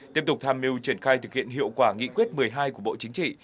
tiếp tục tham mưu triển khai thực hiện hiệu quả nghị quyết một mươi hai của bộ chính trị